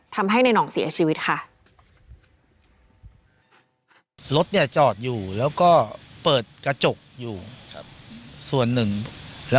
ทำให้ในห่องเสียชีวิตค่ะ